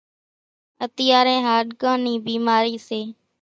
اتيارين هاڏڪان نِي ڀيمارِي سي۔